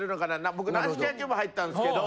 僕軟式野球部入ったんですけど